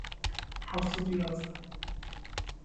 حەوت سەد و یازدە